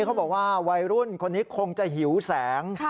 เขาบอกว่าวัยรุ่นคนนี้คงจะหิวแสง